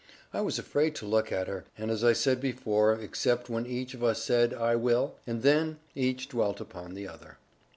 I was afraid to look at her, as I said before, except when each of us said, "I will;" and then each dwelt upon the other.